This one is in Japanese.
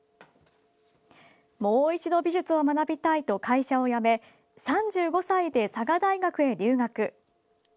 もう一度美術を学びたいと会社を辞め３５歳で佐賀大学へ留学。